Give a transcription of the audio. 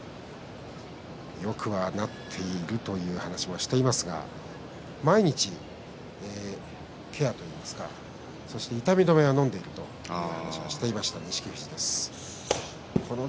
よくはなっているという話をしていますが毎日ケアといいますか痛み止めはのんでいると話している錦富士です。